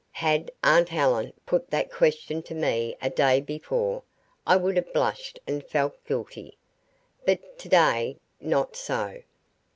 Had aunt Helen put that question to me a day before, I would have blushed and felt guilty. But today not so.